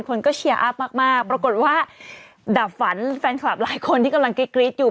คนก็เชียร์อัพมากปรากฏว่าดับฝันแฟนคลับหลายคนที่กำลังกรี๊ดอยู่